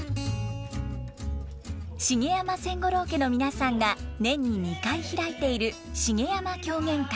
茂山千五郎家の皆さんが年に２回開いている茂山狂言会。